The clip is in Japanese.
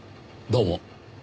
どうも。